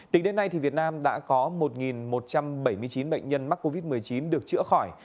tính đến nay việt nam đã có một một trăm bảy mươi chín bệnh nhân mắc covid một mươi chín được chữa khỏi